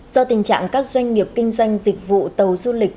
do tình trạng các doanh nghiệp kinh doanh dịch vụ tàu du lịch